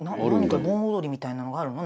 盆踊りみたいなのがあるの？